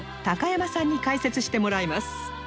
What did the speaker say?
高山さんに解説してもらいます